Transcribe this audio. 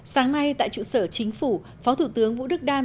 sáng nay tại trụ sở chính phủ phó thủ tướng vũ đức đam